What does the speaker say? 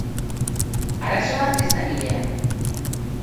Arazoa ez da nirea.